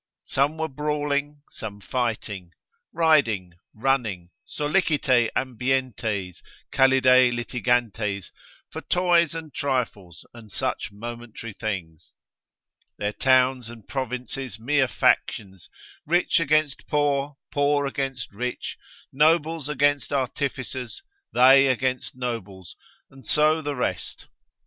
Some were brawling, some fighting, riding, running, sollicite ambientes, callide litigantes for toys and trifles, and such momentary things, Their towns and provinces mere factions, rich against poor, poor against rich, nobles against artificers, they against nobles, and so the rest.